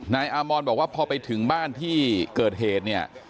นายอามอนบอกว่าพอไปถึงบ้านที่เกิดเหตุเนี่ย